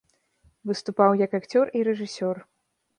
Выступаў як акцёр і рэжысёр.